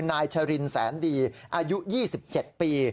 นายชรินแสนดีอายุ๒๗ปี